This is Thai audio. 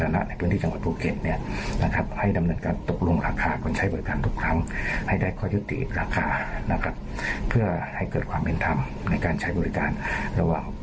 ในหัวหน้าภูเก็ตก็มีแอปพลิเคชัน